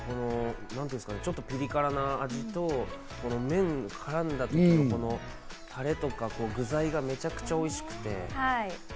ちょっとピリ辛な味と、麺が絡んだ時のタレとか具材が無茶苦茶おいしくて。